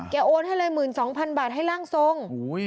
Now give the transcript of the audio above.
โอนให้เลย๑๒๐๐๐บาทให้ร่างทรง